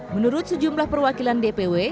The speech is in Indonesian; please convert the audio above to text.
menurut sejumlah perwakilan dpw